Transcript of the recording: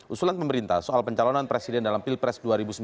usulan pemerintah soal pencalonan presiden dalam pilpres dua ribu sembilan belas